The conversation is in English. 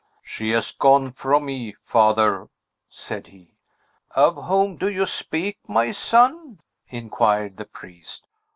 "She has gone from me, father," said he. "Of whom do you speak, my son?" inquired the priest.